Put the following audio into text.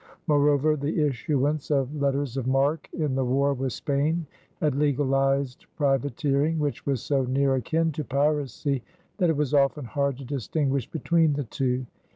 Moreover the issuance of letters of marque in the war with Spain had legalized privateering, which was so near akin to piracy that it was often hard to distinguish between the two.